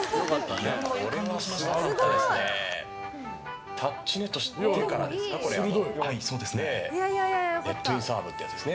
これはすごかったですね。